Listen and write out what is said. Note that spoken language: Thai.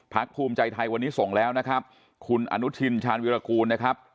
ภูมิใจไทยวันนี้ส่งแล้วนะครับคุณอนุทินชาญวิรากูลนะครับ